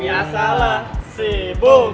biasalah si boom